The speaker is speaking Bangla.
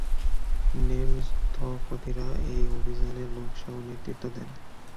নেম স্থপতিরা এই অভিযানের নকশা ও নেতৃত্ব দেন।